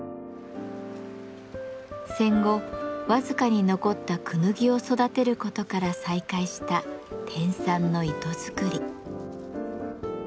戦後僅かに残ったクヌギを育てることから再開した天蚕の糸づくり。